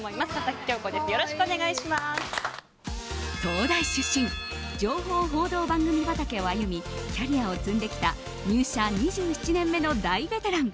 東大出身情報・報道番組畑を歩みキャリアを積んできた入社２７年目の大ベテラン。